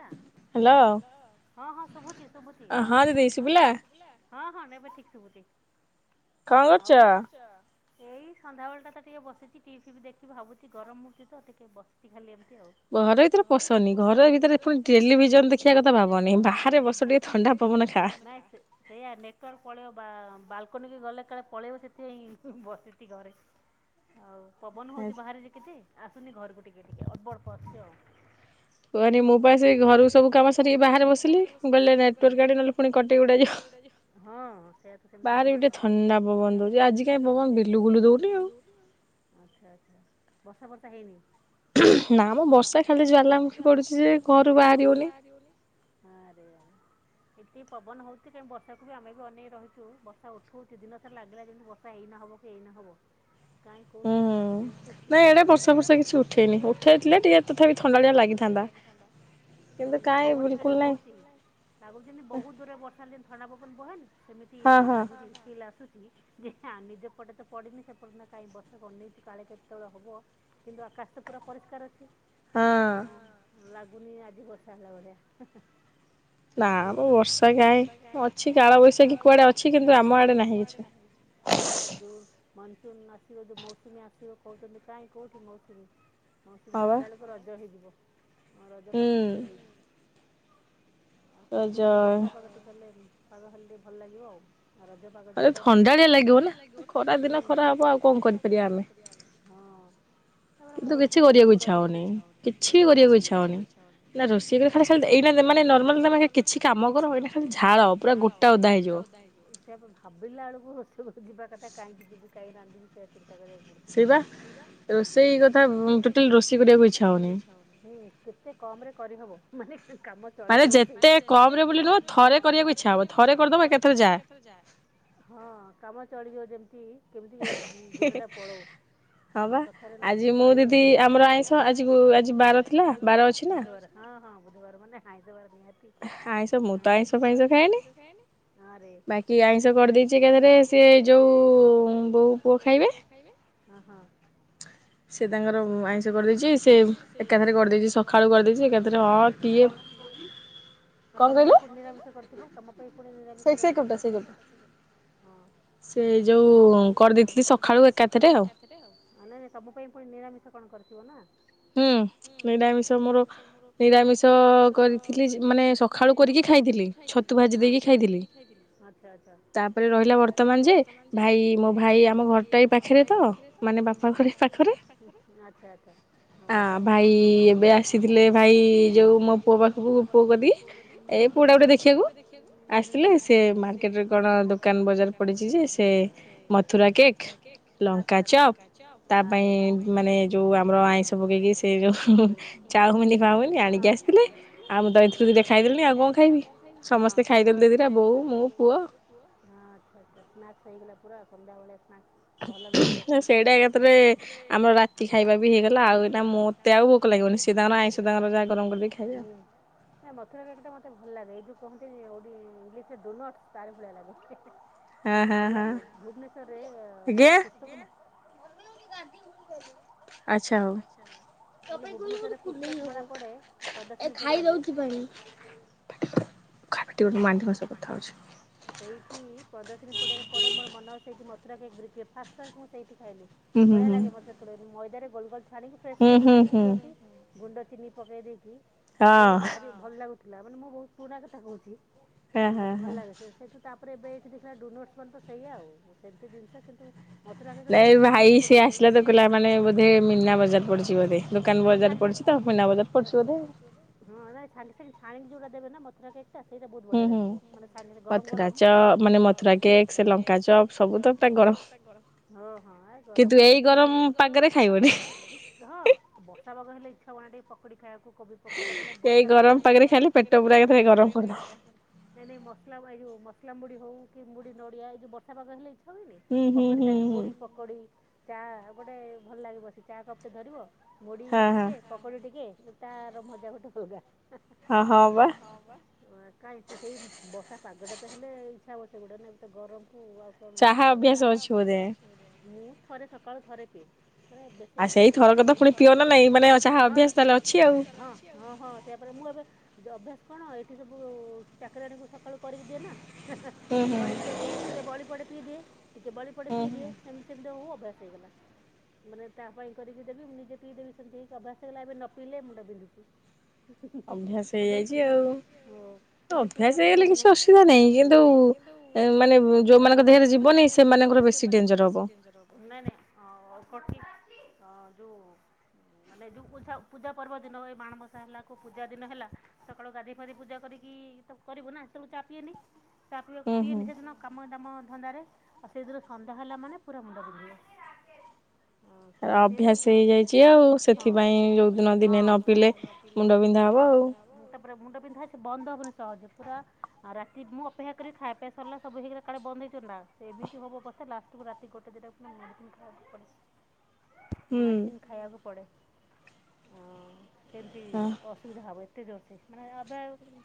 Hello ହଁ ହିଁ ଶୁଭୁଚି ଶୁଭୁଚି। ହଁ [inaudible] ଶୁଭିଲା। ହଁ ହଁ। ନାଇବେ ଠିକ୍ ଶଭୁଛି। ଆଉ କଣ କରୁଛ? ଏଇ ସନ୍ଧ୍ୟାବେଳ ଟା ତ ଟିକେ ବସିଛି ଟିଭି ଫିି ଦେଖି ଭାବୁଛି ଗରମ ହଉଛି ତ ଟିକେ ବସିଛି ଖାଲି ଏମତି। ଘର ଭିତରେ ପଶନି। ଘର ଭିତରେ। ଆୁଣି ଟେଲିଭିଜନ ଦେଖିବା କଥା ଭାବନି। ବାହାରେ ବର୍ସ ଟିକେ ଥଣ୍ଡା ପବନ ଖା। ବାଲକୋନିି ଗଲେ କାଳେ ପଳେଇବ ସେଥିପାଇଁ ବସିଛି ଘରେ ଆଉ। ପବନ ହଉଛି ବାହାରେ ଯେ କିଛି ଆସୁନି ଘରକୁ ଟିକେ। ଅ ବର ପାଛ ଆଉ। କୁହନି ମୁୋ ପା ସେ ଘରକୁ ସବୁ କାମ ସାରିକି ବାହାରେ ବସିଲି। ମୁଁ କହିଲ ନେଟୱାରକ ଡି ନେଲେ ପୁଣି କଟେଇ ଗୋଟା ଯିବ। ହଁ ସେଇ ଆ ବା ସମିତି ହଉଛି ଆଜି କାଲି। ବାହାରେ ଗୋଟେ ଥଣ୍ଡା ପବନ ଦଉଛି ଆଜି କାଁ ପବନ ବିଲୁ ବୁଲୁ ଦଉନି ଆଉ। ଆଛା ଆଛା। ବର୍ଷା ଫର୍ଷା ହେଇନି। ନା ଆମ ବର୍ଷା ଖାଲି ଜ୍ଲାମୁଖୀ ପଡୁଛି ଯେ। ଘରୁ ବାହାରି ହଉନି ଆରେ ଆରେ। ଏତିି ପବନ ହଉଛି। କାହିଁି ବର୍ଷାକୁ ବି ଆମେ ବି ଅନେଇକ ରହିଛୁ ବର୍ଷା ଉଠଉଛି ଦିନସାରା ଲାଗିଲା ଯେମିତି ବର୍ଷା ଏଇ ନହବ କି ଏଇ ନହବ। କାଇଁ କୋଉଠି କିଛିନାହିଁ ଫୁସ୍ କିନିପଳେଇଲା। ଏଡ ବର୍ଷ ବର୍ଷା କିଛି ଉଠେଇନି। ଉଠେଇ ଥିଲେ ଟିକେ ତଥାପି ଥଣ୍ଡାଲିଆ ଲାଗେ। ହଁ ନାଇଁ ପବନ ଟିକେ ଟିକେ ହଉଚି। ଲାଗୁଛି ଯେମିତି ବହୁତ ଦୂରରେ ବର୍ଷା ଟି ଥଣ୍ଡା ପବନ ବହେନି। ସେମିତି ଲାଗୁଛି ଫିଲ୍ ଆସୁଛି। ଯେ ନିଜେ ପଟେ ତ ପଡିନି। ସେପଟ ନା କାହିଁ ବର୍ଷା ଅନେଇଛୁ କାଳେ କେତେବେଳେ ହବ। କିନ୍ତୁ ଆକାଶ ତ ପୁରା ପରିଷ୍କାର ଅଛି। ହଁ। ଲାଗୁନି ଆଜି ବର୍ଷା ହେଲା ଭଳିଆ। ଏମିତି ଆଉ ନା ମ ବର୍ଷା କାଇଁ ଅଛି କାଳ ବୈଶାଖୀ କୁଆଡେ ଅଛି କିନ୍ତୁ ଆମ ଆଡେ ନାହିଁ। ମନସୁନ୍ ଆସିବ ଯେଉଁ ମୌସୁମୀ ଆସିବ କହୁଛନ୍ତି କାହିଁ କେଉଁଠି ମୌସୁମୀ। ମୌସୁମୀ ଆସିଲା ବେଳକୁ ରଜ ହେଇଯିବ। ହଁ ରଜା ପାଖା ପାଖି ହେଇଯିବ ହୁଁ। ଆଉ ସେତ ବେଳକୁ ବର୍ଷା ପାଗ ଟୋଟାଲ ପାାଗ ହେଲେ ଟିକେ ଭଲ ଲାଗିବ ଆଉ। ରଜ ପାଗ ତୁ କହୁଥିଲୁ ତ ଥଣ୍ଡାଳିଆ ଲାଗିବ ନା ହୁଁ ଖରା ଦିନ ଖରା ହବ ଆଉ କଣ କରିପାରିବା ହଁ ଆମର ଓଡିଶା ରେ ସବୁ ରଜ କୁ କିଛି କରିବାକୁ ଇଛା ହେଉନି ହଁ କିଛି କରିବାକୁ ଇଛା ହେଉନି ନା ରୋଷେଇ କରି ଖାଇ ସାରିଲେ ଏଇନା ମାନେ ନର୍ମାଲ କିଛି କାମ କର ଏଇ ଖାଲି ଝାଳ ପୁରା ଗୋଟା ଓଦା ହେଇଯିବ। ସେଆ ତ ଭାବିଲା ବେଳକୁ ରୋଷେଇ ଘର ଯିବା କଥା କାହିଁକି ଯିବି କାଇଁ ରାନ୍ଧିବି ସେ ଏତି ଚିନ୍ତା କରିବାକୁ ପଡୁଛି ସେଇବା କେତେ ରୋଷେଇ କଥା ଟୋଟାଲ ରୋଷେଇ କରିବାକୁ ଇଛା ହଉନି ହୁଁ। କେତେ କମ ରେ କରିହେବ ମାନେ ଉଁ କାମ ଚଳେଇ ହବ ସେଇ କଥା ଯେତେ କମରେ ବୁଲି ନୁହ ଥରେ କରିବାକୁ ଇଛା ହେବ ଥରେ କରିଦବ ଏକା ଥରକେ ଯାଆ ହଁ କାମ ଚଳିଯିବ ଯେମିତି। ହେଁ ହେଁ ହଁ ବା ଆଜି ମୁଁ ଦିଦି ଆମର ଆଇଁଷ ଆଜି ଗୁ ଆଜି ବାର ଥିଲା ବାର ଅଛି ବୁଧବାର ହଁ ହଁ ବୁଧବାର ମାନେ ଆଇଁଷ ବାର ଆଜି ହଁ ଆଇଁଷ ଫାଇଁଷ ଖାଏନିି ହଁ ରେ ବାକି ଆଇଁଷ କରିଦେଇ ଏକା ଥରେ ସେ ଯୋଉ ବୋଉ ପୁଅ ଖାଇବେ। ଓ ହୋ। ସେ ତାଙ୍କର ଆଇଁଷ କରିଦେଇଚି ସେ ଏକାଥରେ ଏକା କରିଦେଇ ଥରେ କରିଦେଇଛି ସକାଳୁ କରିଦେଇଛି ଏକାଥରେ ହଁ କିଏ ତମ ପାଇଁ ପୁଣି କଣ କହିଲ ନିରାମିଷ ତମ ପାଇଁ ପୁଣି ନିରାମିଷ କରି ଥିବ ସେ ସେଇଠି ହଁ ସେଇ ଯୋଉ କର ଦେଇଥିଲି ସକାଳୁ ଏକା ଥରେ ଆଉ ମାନେ ତମ ପାଇଁ ନିରାମିଷ କଣ କରିଥିବ ନା। ହୁଁ। ନିରାମିଷ ମୋର ନିରାମିଷ କରିଥିଲି ମାନେ ସକାଳୁ କରିକି ଖାଇଥିଲି ହଁ ଛତୁ ଭାଜି ଦେଇକି ଖାଇଥିଲି ଆଛା ଆଛା ତାପରେ ରହିଲା ବର୍ତ୍ତମାନ ଯେ ହୁଁ ଭାଇ ମୋ ଭାଇ ଆମ ଘରଟା ଏଇ ପାଖରେ ତ ହୁଁ ହୁଁ ମାନେ ବାପା ଘର ପାଖରେ ଆଛା ଆଛା। ହଁ ଭାଇ ଭାଇ ଏବେ ଆସିଥିଲେ ଭାଇ ଯୋଉ ମୋ ପୁଅ ପାଖକୁ ପୁଅ କତିକି ହୁଁ ହୁଁ ଏ ପୁଅ ଟାକୁ ଟିକେ ଦେଖିବାକୁ ହୁଁ ହୁଁ ଆସିଥିଲେ ସେ ମାର୍କେଟରେ କଣ ଦୋକାନ ବଜାର ପଡିଛି ଯେ ସେ ମଥୁରା କେକ୍ ଆଛା ଆଛା ଲଙ୍କା ଚପ୍ ଆରେ ତା ପାଇଁ ମାନେ ଯୋଉ ମଗେଇକି ସେଇ ଯୋ ଚୌମିନ ଫାଉମିନ ଆଣିକି ଆସିଥିଲେ ଆମ ଦେଇ ଥୁ ଦେଖା ହେଇଗଲେ ଆଉ କଣ ଖାଇବି ସମସ୍ତେ ଖାଇଦେଲୁ ତାକୁ ଦି ଟା ବୋଉ ମୁଁ ପୁଅ। ପୁରା ସଂନ୍ଧ୍ୟା ବେଳେ ସେଇଟା ଏକାଥରେ ଆମର ରାତି ଖାଇବା ବି ହେଇଗଲା ଆଉ ଏଇଟା ମତେ ଆଉ ଭ ମତେ ଭୋକ ଲାଗିବନି ସେ ତାଙ୍କର ଆଇଁଷ ଯାହା ଗରମ କରିକି ହୁଁ ମଥୁରା କେକ ଟା ମତେ ଭଲ ଲାଗେ। ଏଇ ଯୋଉ କହନ୍ତି ଇଂଲିଶରେ ଡୋନଟ ତାରି ଭଳିଆ ଲାଗେ। ମତେ ଭଲ ଲାଗେ ଆ ଭୁବନେଶ୍ୱବରରେ ପ୍ରସ୍ତକ ଆଜ୍ଞା। [unintelligible] ଆଚ୍ଛା ହଉ ତ ପାଇଁ କୁଲୁ କୁଲୁ କୁଣ୍ଡେଇ ହବ ଏ ଖାଇ ଦଉଛି ପାଣି ପାଟି କରେନି ହଁ [unintelligible] ସେଇଠି ପ୍ରଦର୍ଶନୀ ପଡିଆରେ ପଡେ ମୋର ମନ ସେଇଠି ମତ। ପୁରା ଆଗେ ଗ୍ରୁପ୍ ରେ ଫାର୍ଷ୍ଟ ଫାର୍ଷ୍ଟ ମୁଁ ସେଇଠି ଖାଇଲି ବଢିଆ ଲାଗେ ମତେ [unintelligible] ମଇଦା ଗୋଲ ଗୋ [inaudible] ଛାଣିକି ଫ୍ଫ୍ରେସ୍ ଫ୍ରେସ୍ ଛାଣିକି ଦିଅନ୍ତି। ଗୁଣ୍ଡ ଚିନି ପକେଇ ଦେଇଛି ସେ ଭି ଭଲ ଲାଗୁଛି ଥିଲା ମାନେଁ ବହୁତ ପୁରା କହୁଛି [inaudible] ମତେ ଭଲ ଲାଗେ ସେ ସେଇଠୁ ତ ତାପରେ ଏବେ ଏଇଠି ଦେଖିଲା ଡୋନୋଟ୍ ମାନେ ତ ସେଇଆ ଆଉ ସେମିତି ଜିନିଷ କିନ୍ତୁ ମତେ ଲାଗେ ଯୋଉ ଟେଷ୍ଟ ଏ ଭାଇ ସେ ଆସିଲତ ପିଲା ମାନେ ବୋଧେ ମୀନାବଜାର ପଡ଼ିଛି ବୋଲି ସାଙ୍ଗେ ସାଙ୍ଗେ ମୀନ ବଜାର ପଡ଼ିଛିନ୍ତ ହ୍ନ ନାଇ ସାଙ୍ଗେ ସାଙ୍ଗେ ନାଇ ସାଙ୍ଗେ। ହାଣିକ ଯେଉଟା ଦେବେ ମତେ। ତାଗ [inaudible] ସେଇଟା ବହୁତ ବଢଆ ଲାଗିବ ମାନେ ତ ଦେହରେ ଗରମ ଗରମ ବର୍ଷା ପାଗ ହେଲେ ତ ମତେ ଲାଗେ। [inaudible] ଛଣା ଟେ ପକୁଡ଼ି ଖାଇବାକୁ। କୋବି ପକୋଡା ମାନେ ବର୍ଷା ପାଗ ହେଲେ ଗରମ ପାଗରେ ଖାଲୁ ନାଇଁ ନାଇଁ ଗରମ ନାଇଁ ନାଇଁ ମସଲା ଝାଲମୁଢି ହଉ କି ମୁୁଢି ନଡ଼ିଆ ଏ ଯୋଉ ବର୍ଷା ପାଗ ହେଇଛି ହ ନାଇ [inaudible] ପକଡି ସାଙ୍ଗେ ମୁଢି ପକଡି। ଚା ଗୋଟେ ଭଲ ଲାଗିବ ସେ ଚା କପ୍ ଟେ ଧରିବ। ମୁଢ ଟିକେ ପକୋଡି ଟିକେ। ତାର ମଜା ଗୋଟେ ହଉା [unintelligible] ହଁ ହଁ ବା କାଇହିଁ ସେଇ ବର୍ଷା ପାଗଟା ତ ହେଲେ ଇଚ୍ଛା ହବ ସେ ଗୁଡ଼ା ନ ଏ ତ ଗରମ କୁ ଆଉ କଣ ଉଠ ଚାହା ଅଭ୍ୟାସ ଅଛି ବୋଧ ମୁଁ। ଥରେ ସକାଳୁ ଥରେ ପିଏ। ବେଶୀ ନାଇ ସେ ମୁଁ ଏ [unintelligible] କଣ ଏଇଠି ସବୁ ଚାକରାଣୀକୁ ସକାଳୁ କରିକି ଦିଏ ନା। କରିକି ଦେଲି ଟିକେ ବଳି ପଡେ ପିଇ ଦିଏ। ଟିକେ ବଳି ପଡ଼େ ପିଇଦିଏ ସେମିତି ସେମିତି ହଉ ଅଭ୍ୟାସ ହେଇଗଲା ମାନେ ତା ପାଇଁ କରିକି ଦେବି ମୁଁ ନିଜେ ପିଇଦେବି ସେମିତି ହେଇକି ଅଭ୍ୟାସ ହେଇଗଲା ଏବେ ନ ପିଇଲେ ମୁଣ୍ଡ ବିନ୍ଧୁଛି। ଅଭ୍ୟା ଉଁ ଏ କିଛି ଅସୁବିଧା ନାହିଁ କିନ୍ତୁ ମାନେ ଯୋଉମାନଙ୍କ ଦେହରେ ଯିବନି ସେମାନଙ୍କର ବେଶୀ ଡେଞ୍ରର୍ ହବ। ଯୋଉ ମାନେ ଯୋଉା ପୂଜା ପର୍ବ ଦିନ ଏ ମାଣବସା ହେଲା କଉ ପୂଜା ଦିନ ହେଲା। ସକାଳୁ ଗାଧୋଇ ଫାଧେଇ ପୂଜା କରିକି ତ କରିବୁ ନା ତ ମୁଁ ଚା ପିଏନି। ତାପରକୁ ପିଏନି ଶେଦିନ କାମ ଦାମ ଧନ୍ଦାରେ ଆଉ ସେଇଥିରୁ ସନ୍ଧ୍ୟା ହେଲା ମାନେ ପୁରା ମୁଣ୍ଡ ବିିନ୍ଧିବ। ଅଭ୍ୟାସ ହେଇଯାଇଛି ଆଉ ସେଥିପାଇଁ ଯୋଉଦିନ ଦିନେ ନ ପିଇଲେ ମୁଣ୍ଡ ବିନ୍ଧା ହବ ଆଉ ମୁଣ୍ଡ ପିନ୍ଧା ସେ ବନ୍ଦ ହବନି ସହଜେ ପୁରା ରାତି ମୁଁ ଅପେକ୍ଷା କରିବି ଖାଇବା ସରିଲା ସବୁ ହେଇଗଲା କାଳେ ବନ୍ଦ ହେଇଯିବ ନାଁ ଏମିତି ହବ ଅବସ୍ଥା ଲାଷ୍ଟକୁ ରାତି ଗୋଟେ ଦିଟାକୁ ପୁଣି ମେଡିସିନ୍ ମେଡିସିନ ଖାଇବାକୁ ପଡେ। ଆଉ ସେମତି ଅସୁବିଧା ହବ। କେତେ ଜୋରସେ ମାନେ ଅବେ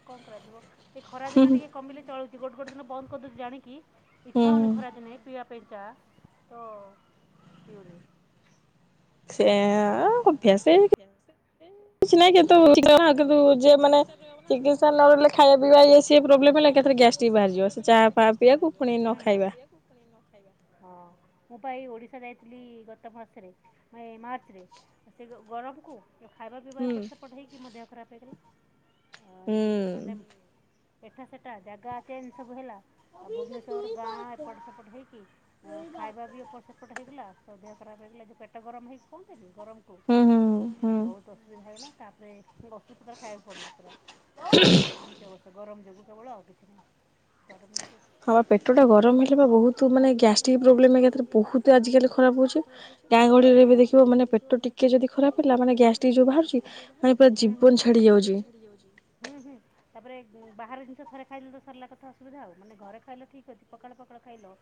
କଣ କରାଯିବ। ଏଇ ଖରା ଦିନ ଟିକେ କମିଲେ ଚଳୁ ଗୋଟେ ଗୋଟ ଦିନ ବନ୍ଦଦେଉଛି ଜାଣି କି। ଇଚ୍ଛା ହଉନି ଖରାଦିନ ପିଇବା ପାଇଁ ଚା। ତ ପିଉନି ସେ ଅଭ୍ୟାସ ନାହିଁ କିଛି ନାଇଁ କିନ୍ତୁ ସେ ଚିକିତ୍ସା ରହିବନା କିନ୍ତୁ ଯେଉଁ ମାନେ ଚିକିତ୍ସା ନ ରହିଲେ ଖାଇବା ପିଇବା ଇଏ ସିଏ ପ୍ରୋବ୍ଲେମ ହେଲେ ଏକା ଥରେ ଗ୍ୟାଷ୍ଟ୍ରିକ ବାହାରିଯିବ ଚା ଫା ପିଇବାକୁୁ ପୁଣି ନ ଖାଇବା। ମୁଁ ବା ଏଇ ଓଡିଶା ଯାଇଥିଲି ଗତ ମାସରେ ଏଇ ମାର୍ଚ୍ଚ ରେ ସେ ଗରମକୁ ଯାଉ ଖାଇବା ପିବା ଏପଟ ସେପଟ ହେଇକି ମୋ ଦେହ ଖରାପ୍ ହେଇଗଲା। ହୁଁ ଏଠା ସେଠା ଜାଗା ଚେଞ୍ଜ ସବୁ ହେଲା ଆଉ ଭୁବନେଶ୍ଵର ଗାଁ ଏପଟ ସେପଟ ହେଇକି ଖାଇବା ବି ଏପଟ ସେପଟ ହେଇଗଲା। ଅଧିକ ଖରାପ ହେଇଗଲା ଯାଉ ପେଟ ଗରମ ହେଇକି। କୁହନ୍ତିନି ଗରମକୁ ବହୁତ ଅସୁବିଧା ହେଇଗଲା। ତାପରେ ଗ [unintelligible] ଖାଇବାକୁ ପଡ଼ିଲା ପୁରା ଏଇ ଏମିତି ଅବସ୍ଥା ଗରମ ଯିବୁ କେବଳ ଆଉ କିଛି ନାହିଁ ଗରମରେ ହଁ ପେଟଟା ଗରମ ହେଲେ ବା ବହୁତ ମାନେ ଗ୍ୟାଷ୍ଟ୍ରିକ ପ୍ରୋବ୍ଲେମର ଏକାଥରେ ବହୁତ ଆଜିକାଲି ଖରାପ ହଉଛି ଗାଁ ଗହଳିରେ ଗାଁ ଗହଳିରେ ଏବେ ଦେଖିବ ମାନେ ପେଟ ଟିକେ ଯଦି ଖରାପ ହେଲା ମାନେ ଗ୍ୟାଷ୍ଟ୍ରିକ୍ ଯୋଉ ବାହାରୁଚି ହୁଁ ହୁଁ ମାନେ ପୁରା ଜୀବନ ଛାଡି ଯାଉଛି ହୁଁ ହୁଁ ତାପରେ ବାହାର ଜିନିଷ ଥରେ ଖାଇଲେ ତ ସରିଲା କଥା ଅସୁବିଧା ଆଉ ମାନେ ଘରେ ଖାଇଲ ଠିକ ଅଛି ପଖାଳ ଫଖାଳ ଖାଇଲ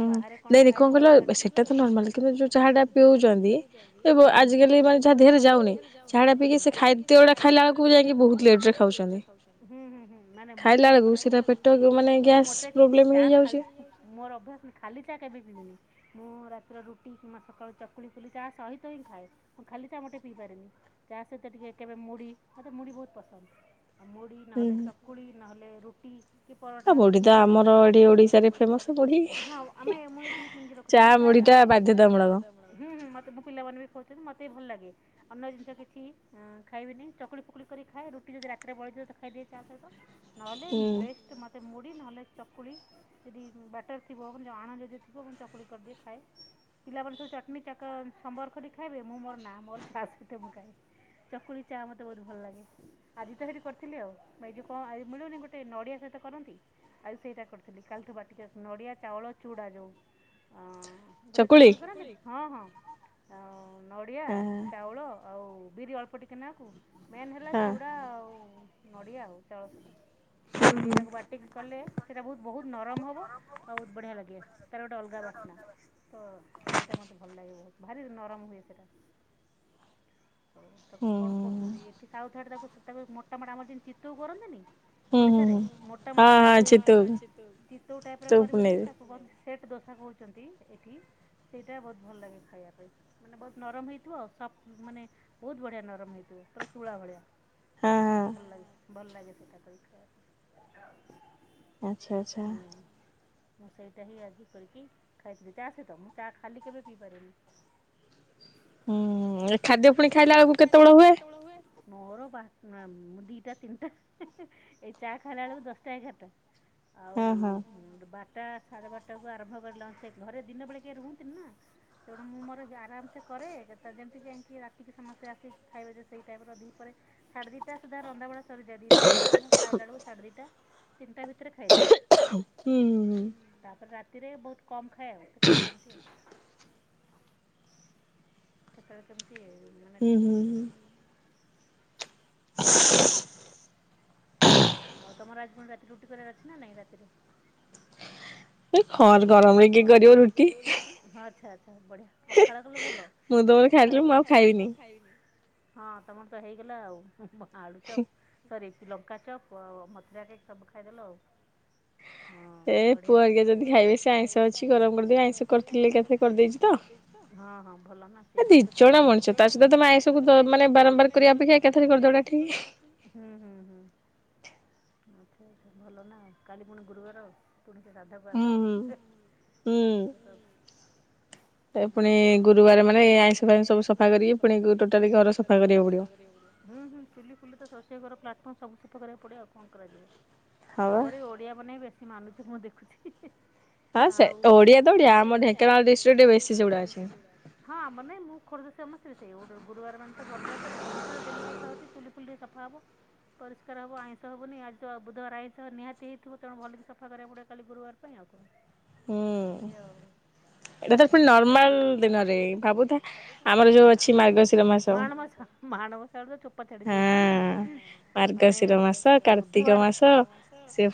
ହୁଁ ନାଇଁ କଣ କହିଲ ସେଟା ତ ନର୍ମାଲ କିନ୍ତୁ ଯୋଉ ଚାହାଟା ପିଉଚୁ ପିଉଚନ୍ତି ହୁଁ ହୁଁ ଆଜି କାଲି ମାନେ ଯାହା ଦେହରେ ଯାଉନି ହୁଁ ଚାହଟା ପିଇକି ସେ ଖାଦ୍ୟ ଗୁଡା ଖାଇଲାବେଳୁକୁ ଯାଇକି ବହୁତ୍ ଲେଟ୍ ରେ ଖାଉଛନ୍ତି ହୁଁ ହୁଁ ହୁଁ ମାନେ ମୁଁ କଣ କରେ କି ଖାଇଲା ବେଳୁକୁ ସେଇଟା ପେଟ ଭିତରେ ଗ୍ୟାସ ପ୍ରୋବ୍ଲେମ୍ ହେଇଯାଉଛି। ଖାଲି ଚା କେବେ ପିଇବିନି ମୁଁ ରାତିର ରୁଟି କିମ୍ବା ସକାଳୁ ଚ ଚକୁଳି ଫୁଲି ଚା ସହିତ ହିଁ ଖାଏ ମୁଁ ଖାଲି ଚା ମୋଟେ ପିଇପାରେନି ଚା ସହିତ ଟିକେ କେବେ ମୁଢ଼ି ମୋତେ ମୁଢ଼ି ବହୁତ ପସନ୍ଦ। ମୁଢି ନହେଲେ ଚକୁଳି ନହେଲେ ରୁଟି। କି ପରଟା ଏଇଟାଇପ୍ ର ମୁଢି ତ ଆମର ଏଠି ଓଡ଼ିଶାରେ ଫେମସ୍ ଆମେ ମୁଁ ଏଠି ବି କିଣିକି ରଖୁଚି ଆମର ପ୍ରାୟ ସବୁବେଳେ ଚା ମୁଢ଼ି ଟା ବାଧ୍ୟତା ମୁଳ ହୁଁ ହୁଁ ମୋତେ ମୁଁ ପିଲାମାନେ ବି କହୁଚନ୍ତି ମତେ ବି ଭଲ ଲାଗେ ଅନ୍ୟ ଜିନିଷ କିଛି ଖାଇବିନି ଚକୁଳି ଫକୁଳି କରି ଖାଏ ରୁଟି ଯଦି ରାତିରେ ବଳଥିବ ତାକୁ ଖାଇଦିଏ ଚା ସହିତ। ନହେଲେ ବେଷ୍ଟ୍ ମତେ ମୁଡ଼ି ନହେଲେ। ଚକୁଳି ଯଦି ବ୍ୟାଟର ଥିବ ଆଣ ଯଦି ଥିବ ମୁଁ ଚକୁଳି କରିଦିଏ ଖାଏ ପିଲାମାନେ ସବୁ ଚ [unintelligible] ସମ୍ବର କରି ଖାଇବେ ମୁଁ ମୋର ନାଁ ମୋର ଚା ସହିତ ମୁଁ ଖାଏ ଚକୁଳି ଚା ମୋତେ ବହୁତ ଭଲ ଲାଗେ ଆଜି ତ ହେଇଟି କରିଥିଲି ଆଉ [unintelligible] ମିଳୁନି ଗୋଟେ ନଡ଼ିଆ ସହିତ କରନ୍ତି ଆଜି ସେଇଟା କରିଥିଲି କାଲିଠୁ ବାଟିକି ରଖି ନଡ଼ିଆ ଚାଉଳ ଚୁଡ଼ା ଯଉ। ଗୋଟେ ଚକୁଳି କରନ୍ତୁନି ହଁ ହଁ ଆଉ ନଡ଼ିଆ ଚାଉଳ। ଆଉ ବିରି ଅଳ୍ପ ଟିକେ ନା କୁ। ମେନ ହେଲା ଚୁଡ଼ା ଆଉ। ନଡ଼ିଆ ଆଉ ଚା ସେଇଟାକୁ ବାଟିକି କଲେ। ସେଇଟା ବହୁତ ବହୁତ ନରମ ହବ ଆଉ ବଢ଼ିଆ ଲାଗେ ତାର ଗୋଟେ ଅଲଗା ବାସ୍ନା ତ ସେ। ଭଲଲାଗେ ବୋହୁତ ଭାରୀ ନରମ ହୁଏ ସେଟା ତ ତାକୁ କଣ କହୁଛନ୍ତି ଏଠି ସାଉଥ ଆଡେ ତାକୁ। ତାକୁ ମୋଟାମୋଟା ଆମର ଯେମିତି ଚିତଉ କରନ୍ତିନି। ଓଡିଶାରେ ହୁଁ ମୋଟା ମୋଟା ତାକୁଇ ହଁ ହଁ ଚିତଉ ଚିତଉ ଟାଇପ କରିବ ଯେ ତାକୁ କହନ୍ତି। ସେଟ୍ ଦୋସା କହୁଛନ୍ତି ଏଠି। ସେଇଟା ବହୁତ ଭଲ ଲାଗେ ଖାଇବା ପାଇଁ ମାନେ ବହୁତ ନରମ ହେଇଥିବ ଆଉ ସଫ୍ଟ ମାନେ ବହୁତ ବଢ଼ିଆ ନରମ ହେଇଥିବ ପୁରା ତୁଳା ଭଳିଆ। ଭଲ। ଭଲ ଲାଗେ ସେଟା କରିକି ଖାଇବା ପାଇଁ। ଆଚ୍ଛା ଆଚ୍ଛା ମୁଁ ସେଇଟା ହିଁ ଆଜି କରିକି ଖାଇଥିଲି ଚା ସହିତ ମୁଁ। ଚା ଖାଲି କେବେ ପିଇପାରେନି। ହୁଁ ଏ ଖାଦ୍ୟ ଫୁଣି ଖାଇଲା ବେଳକୁ କେତବେଳେ ହୁଏ? ମୋର ବା ଦିଟା ତିନିଟା ଏଇ ଚା ଖାଇଲା ବେଳକୁ ଦଶଟା ଏଗାରଟା। ହଁ ହଁ। ଟା ସାଢେ ବାରଟାକୁ ଆରମ୍ଭ କରିିଲ ଘରେ ଦିନ ବେଳେ। କିଏ ରୁହନ୍ତିି ନା ତେଣୁ ମୁଁ ମୋର ଆରାମସେ କରେ ଯେମିତି ଯାଇକି ରାତିକି ସମସ୍ତେ ଆସି ଖାଇବା ଯେ ସେଇ ଟାଇମ ର ଦିପହରେ ସାଢ଼େ ଦିଟା ସୁଧା ରନ୍ଧା ବଢ଼ା। ସରିଯାଏ ଦିଟା ସୁଦ୍ଧା ମଁ ଖାଇଲା ବଳକୁ ସାଢ଼େ ଦିଇଟା। ଚିନ୍ତା ଭିତ। ହୁଁ। ଧୀରେ ବହୁତ କମ୍ ଖାଇଏବ। [unintelligible] କେମିତି କେତେବେଳେ କେମ [inaudible] ଆଉ ତମର ଆଜି ପୁଣି ରାତିରେ ରୁଟି କରିବାର ଅଛି ନା ନାଇଁ ରାତିରେ ଏଇ ଖର ଗରମରେ କିଏ କରିବ ରୁଟି ଆଛା ଆଛା ବଢିଆ ପଖାଳ କଲେ ଭଲ ପଖା କ ଖାଇବ ମୁଁ ଆଉ ଖାଇବିନି। ହଁ ତମର ତ ହେଇଗଲା ଆଉ। ଆଳୁ ଚପ୍ ସରି ଲଙ୍କା ଚପ୍ ଆଉ ମଥୁରା କେକ୍ ସବୁ ଖାଇଦେଲ। ଏ ପୁଅ ହେରକା ଯଦି ବାକି ଯଦି ଖାଇବେ ସେ ଆଇଁଷ ଅଛି ଗରମ କରିଦେବି ଆଇଁଷ କରିଥିଲି, ଏକାଥରେ କରିଦେଇଚି ତ, ହଁ ହଁ ଭଲ ନା ସେ କେତେ ଥର ଆଉ କରିବ, ଦି ଜଣ ମଣିଷ ତା ସହିତ ଆଇଁଷ କୁ ବ-ମାନେ ବାରମ୍ବାର କରିବା ଅପେକ୍ଷା ଏକା ଥରେ କରି ଦବାଟା ଠିକ୍, ହୁଁ, ହୁଁ, ହୁଁ। ସାଧା ଯେତେ ଭଲ ନା କାଲି ପୁଣି ଗୁରୁବାର ଆଉ, ପୁଣି ସେ ସାଧା [unintelligible] ଆମର [unintelligible] ଗୁରୁବାର ମାନେ ଐ ଆଇଁଷ ଫାଇଁଷ ସବୁ ସଫା କରିକି ପୁଣି ଟୋଟାଲ ଘର ସଫା କରିବାକୁ ପଡିବ। ହୁଁ ହୁଁ ଚୁଲି ଫୁଲି ତ ସ ରୋଷେଇ ଘର ପ୍ଲାଟଫର୍ମ ସବୁ ସଫା କରିବାକୁ ପଡ଼ିବ ଆଉ କଣ କରାଯିବ। ଆମର ଏ ଓଡ଼ିଆ ମାନେ ବେଶ ସେ ମାନୁଛୁ ମୁଁ ଦେଖୁଛି। ଆଉ ହୁ ସେ ଓଡିଆ ତ ଓଡ଼ିଆ ଆମ ଢେଙ୍କାନାଳ ଡିଷ୍ଟ୍ରିକ୍ଟରେ ବେଶି ସେଉଡ଼ା ଅଛି ହଁ ଆମର ନାଇଁ ମୁଁ ଖୋର୍ଦ୍ଧା [unintelligible] ସମସ୍ତେ ସେଇ ଗୁଟୁରୁ ଗୁରୁବାର ମାନେ ତ ଘରଟାର ତ ଏମିତିରେ ଡେଲି ପୋଛା ହୋଉଚି, ଚୁଲି ଫୁଲି ଟିକେ [unintelligible] ସଫା ହବ, ପରିଷ୍କାର ହବ ଆଇଁଷ ହବନି, ଆଜି ତ ଆଉ ବୁଧବାର ଆଇଁଷ ନିହାତି ହେଇଥିବ, ତେଣୁ ଭଲକି ସଫା କରିବାକୁ ପଡ଼ିବ କାଲି ଗୁରୁବାର। ପାଇଁ ଆଉ କଣ? ଏଇ ଆଉ ଏଟା ପୁଣି ନର୍ମାଲ ଦିନରେ ଭାବୁଥା ଉଁ, ଆମର ଯୋଉ ଅଛି ମାର୍ଗଶିର ମାସ, ମାଣବସା ମାଣବସାରେ ଚୋ ଚୋପା ଛାଡି ଯିବ କହନ୍ତିନି ହୁଁ ମାନେ ମାର୍ଗଶିର ମାସ, କାର୍ତ୍ତିକ ମାସ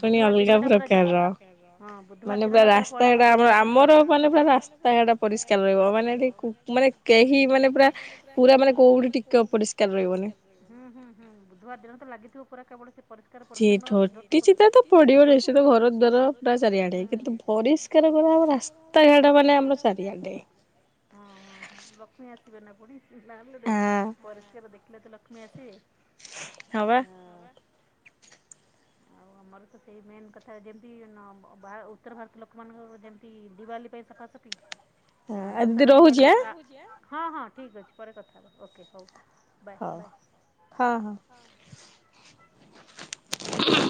ବୁଧବାର ଦିନଟା ପୁରା ଯିବ। [unintelligible] ହଁ ବୁଧବାର ଦିନ ଟା ପୁରା ପଳେଇବା ଗୁରୁବାର [unintelligible] ଆମର ମାନେ ପୁରା ରାସ୍ତାଘାଟ ପରିଷ୍କାର ରହିବ, ମାନେ ଟି-ମାନେ କେହି ମାନେ ପୁରା ପୁରା ମାନେ କୋଉଠି ଟିକେ ଅପରିଷ୍କାର ରହିବ ହୁଁ, ହୁଁ, ହୁଁ ବୁଧବାର ଦିନ ତ ଲାଗିଥିବ ପୁରା କେବଳ ସେ ପରିଷ୍କାର ପରିଚ୍ଛନ୍ନ ଝୋଟି ପକେଇବ ଝୋଟି ଝୋଟ ଚିତାତ ପଡ଼ିବ ନିଶ୍ଚିତ ଘର [unintelligible] ପୁରା ଚାରିଆଡେ ପରିଷ୍କାର ପୁରା ଆମ ରାସ୍ତାଘାଟ ମାନେ ଆମ ଚାରିଆଡ଼େ। ହଁ, ହଁ ଲକ୍ଷ୍ମୀ ଆସ ଥିବେ ନା ପୁଣି ନା ଲୋ ଦେଇ ପରିଷ୍କାର ଦେଖିଲେ ତ ଲକ୍ଷ୍ମୀ ଆସିବେ ହଁ। [unintelligible] ଆଉ ଆମର ତ ସେଇ ମେନ୍ କଥା ଯେମିତି ନହବ ବା ଉତ୍ତର ଭାରତ ଲୋକମାନଙ୍କର ଯେମିତି ଦିୱାଲୀ ପାଇଁ ସଫାସଫି ହଁ ଦଶରା ଦିିବାଲୀ ଆ, ଦିଦି ରହୁଚି ଆଁ, ହଁ ହଁ ଠିକ୍ ଅଛି ପରେ କଥା ହବା, ଓକେ ହଉ। ବାଏ ବାଏ, ହଁ। ହଁ। [unintelligible]